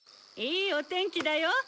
いいお天気だよ